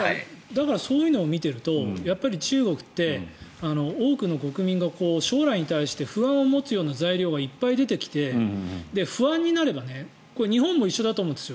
そういうのを見ているとやっぱり中国って、多くの国民が将来に対して不安を持つような材料がいっぱい出てきて不安になれば日本も一緒だと思うんです。